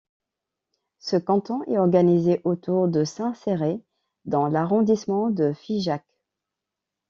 Ce canton est organisé autour de Saint-Céré dans l'arrondissement de Figeac.